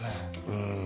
うん。